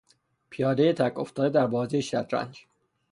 پیادهی تک افتاده در بازی شطرنج